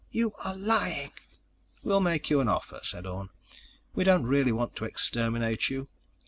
"You are lying!" "We'll make you an offer," said Orne. "We don't really want to exterminate you.